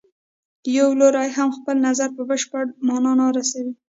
یو لوری هم خپل نظر په بشپړه معنا نه رسوي.